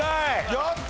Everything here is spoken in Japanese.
やった！